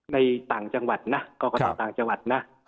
ในต่างจังหวัดนะกรกตต่างจังหวัดนะ